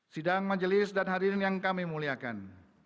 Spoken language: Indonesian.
sidang majelis dan hadirin yang kami muliakan